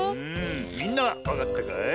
みんなはわかったかい？